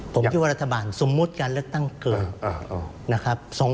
ผมคิดว่ารัฐบาลสมมุติการเลกตั้งเกิน